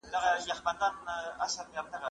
کېدای سي تکړښت ستونزي ولري.